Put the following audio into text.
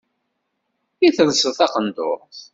I telseḍ taqendurt?